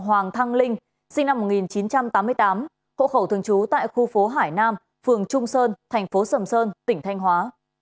hoàng thăng linh sinh năm một nghìn chín trăm tám mươi tám hộ khẩu thường trú tại khu phố hải nam phường trung sơn thành phố sầm sơn tỉnh thanh hóa